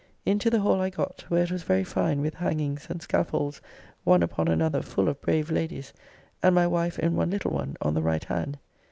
Into the Hall I got, where it was very fine with hangings and scaffolds one upon another full of brave ladies; and my wife in one little one, on the right hand.